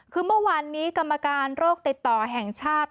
คือเมื่อวานนี้กรรมการโรคติดต่อแห่งชาติ